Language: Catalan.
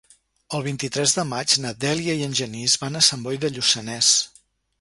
El vint-i-tres de maig na Dèlia i en Genís van a Sant Boi de Lluçanès.